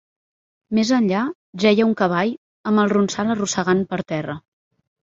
Més enllà, jeia un cavall, amb el ronsal arrossegant per terra…